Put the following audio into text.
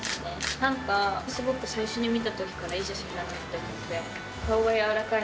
なんか、すごく最初に見たときからいい写真だなって思って、顔が柔らかい。